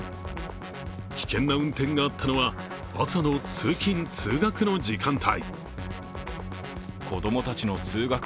危険な運転があったのは、朝の通勤・通学の時間帯。